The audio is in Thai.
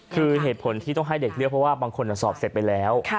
คือเหตุผลที่ต้องให้เด็กเลือกเพราะว่าบางคนสอบเสร็จไปแล้ว